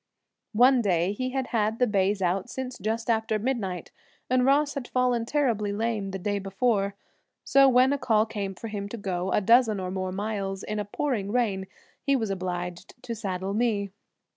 One day he had had the bays out since just after midnight and Ross had fallen terribly lame the day before, so when a call came for him to go a dozen or more miles in a pouring rain he was obliged to saddle me.